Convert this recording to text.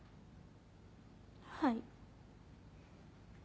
はい。